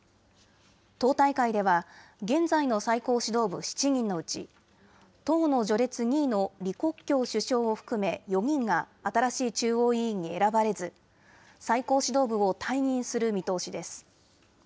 党大会では、現在の最高指導部７人のうち、党の序列２位の李克強首相を含め４人が新しい中央委員に選ばれず、最高指導部を退任する見通しです。